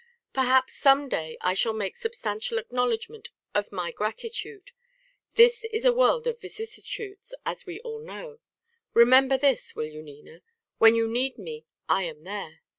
"Perhaps some day I shall make substantial acknowledgment of my gratitude. This is a world of vicissitudes, as we all know. Remember this will you, Nina? when you need me _I am there.